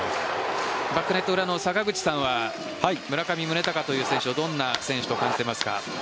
バックネット裏の坂口さんは村上宗隆という選手をどんな選手と感じていますか？